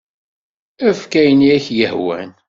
Efk ayen i ak-yehwan.